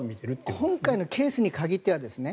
今回のケースに限ってはですね。